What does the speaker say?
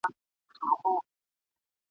له هغو اوسنیو شعرونو سره !.